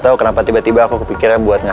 sampai jumpa di video selanjutnya